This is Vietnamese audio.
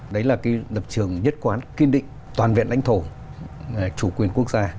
đấy là cái lập trường nhất quán kiên định toàn vẹn lãnh thổ chủ quyền quốc gia